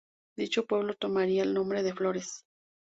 Dicho pueblo tomaría el nombre de Flores.